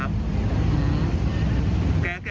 รถตกเก๋งหรอครับ